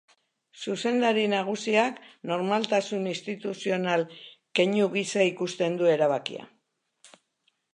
Zuzendari nagusiak normaltasun instituzional keinu gisa ikusten du erabakia.